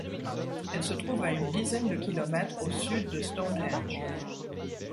Elle se trouve à une dizaine de kilomètres au sud de Stonehenge.